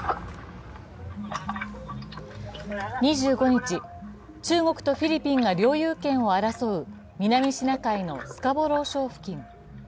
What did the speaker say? ２５日、中国とフィリピンが領有権を争う南シナ海のスカボロー礁付近。